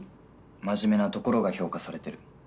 真面目なところが評価されてる。